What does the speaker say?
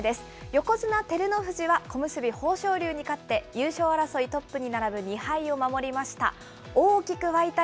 横綱・照ノ富士は、小結・豊昇龍に勝って優勝争いトップに並ぶ２敗を守りました。